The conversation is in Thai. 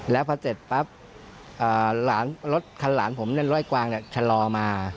แล้วพอเสร็จปั๊บรถคันหลานผมเล่นร้อยกวางชะลอมา